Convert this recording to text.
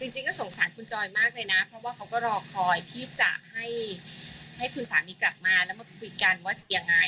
จริงก็สงสารคุณจอยมากเลยนะเพราะว่าเขาก็รอคอยที่จะให้คุณสามีกลับมาแล้วมาคุยกันว่าจะยังไง